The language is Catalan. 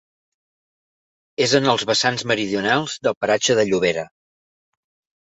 És en els vessants meridionals del paratge de la Llobera.